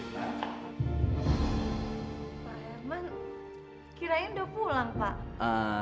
pak herman kirain udah pulang pak